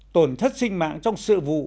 tổn thất sinh mạng trong sự vụ